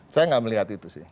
saya nggak melihat itu sih